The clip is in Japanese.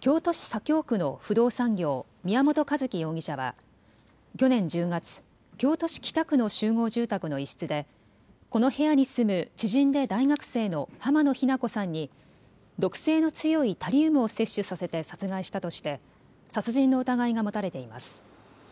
京都市左京区の不動産業、宮本一希容疑者は去年１０月、京都市北区の集合住宅の一室でこの部屋に住む知人で大学生の濱野日菜子さんに毒性の強いタリウムを摂取させて殺害したとして殺人の疑いが持たれています。